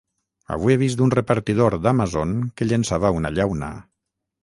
avui he vist un repartidor d'Amazon que llençava una llauna